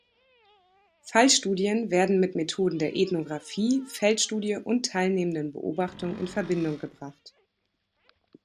Fallstudien werden mit Methoden der Ethnographie, Feldstudie und teilnehmenden Beobachtung in Verbindung gebracht.